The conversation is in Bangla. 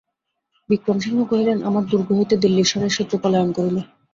বিক্রমসিংহ কহিলেন, আমার দুর্গ হইতে দিল্লীশ্বরের শত্রু পলায়ন করিল!